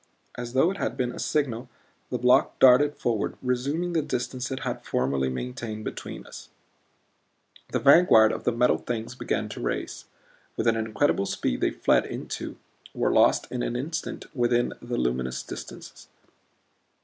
As though it had been a signal the block darted forward, resuming the distance it had formerly maintained between us. The vanguard of the Metal Things began to race. With an incredible speed they fled into, were lost in an instant within, the luminous distances.